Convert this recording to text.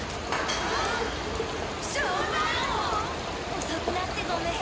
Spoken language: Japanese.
おそくなってごめん。